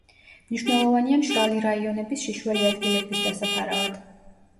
მნიშვნელოვანია მშრალი რაიონების შიშველი ადგილების დასაფარავად.